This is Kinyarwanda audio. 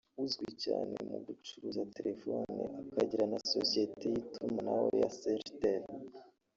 uzwi cyane mu gucuruza telefoni akagira na Sosiyete y’Itumanaho ya Celtel